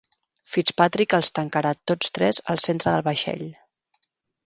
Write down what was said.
Fitzpatrick els tancarà tots tres al centre del vaixell.